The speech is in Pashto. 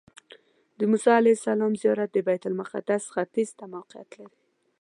د موسی علیه السلام زیارت د بیت المقدس ختیځ ته موقعیت لري.